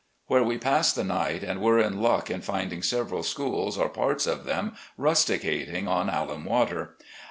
where we passed the night and were in luck in finding several schools or parts of them rusticating on alum water.